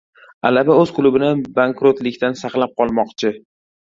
Alaba o‘z klubini bankrotlikdan saqlab qolmoqchi